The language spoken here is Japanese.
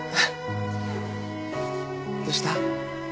どうした？